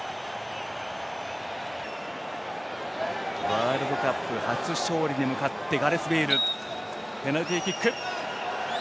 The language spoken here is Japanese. ワールドカップ初勝利に向かってペナルティーキック。